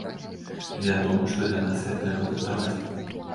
Вядома, што для нас яе трэба адаптаваць.